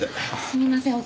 すみません。